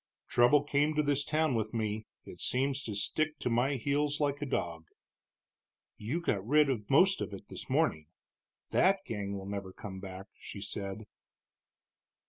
Trouble came to this town with me; it seems to stick to my heels like a dog." "You got rid of most of it this morning that gang will never come back," she said.